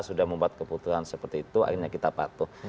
sudah membuat keputusan seperti itu akhirnya kita patuh